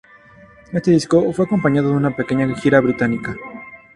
Este disco fue acompañado de una pequeña gira británica.